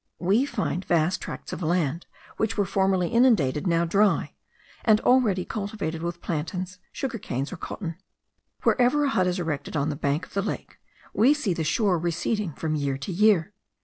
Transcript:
We find vast tracts of land which were formerly inundated, now dry, and already cultivated with plantains, sugar canes, or cotton. Wherever a hut is erected on the bank of the lake, we see the shore receding from year to year.